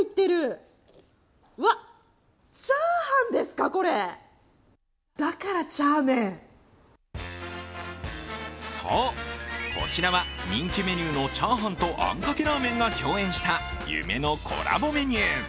早速いただくとするとそう、こちらは人気メニューのチャーハンとあんかけラーメンが共演した夢のコラボメニュー。